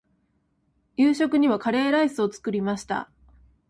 夕食にはカレーライスを作りました。